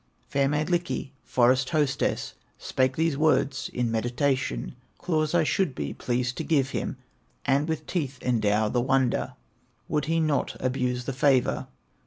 Fair Mielikki, forest hostess, Spake these words in meditation: 'Claws I should be pleased to give him, And with teeth endow the wonder, Would he not abuse the favor.